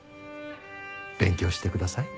勉強してください。